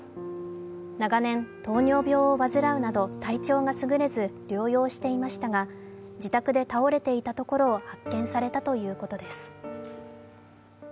長年、糖尿病を患うなど体調が優れず自宅で倒れていたところを発見されたということです。